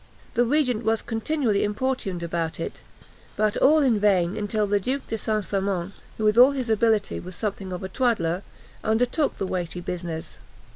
The regent was continually importuned about it, but all in vain, until the Duke de St. Simon, who with all his ability was something of a twaddler, undertook the weighty business.